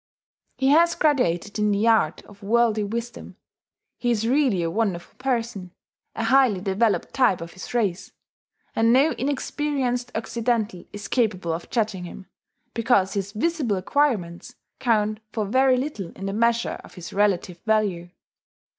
He has graduated in the art of worldly wisdom. He is really a wonderful person, a highly developed type of his race; and no inexperienced Occidental is capable of judging him, because his visible acquirements count for very little in the measure of his relative value.